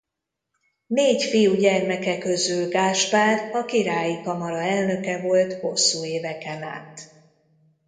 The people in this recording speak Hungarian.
Négy fiúgyermeke közül Gáspár a királyi kamara elnöke volt hosszú éveken át.